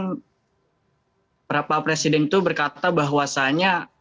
beberapa presiden itu berkata bahwasanya